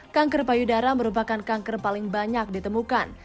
kanker payudara merupakan kanker paling banyak ditemukan